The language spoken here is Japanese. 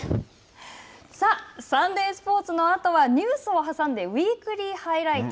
さあ、サンデースポーツのあとはニュースを挟んでウィークリーハイライト。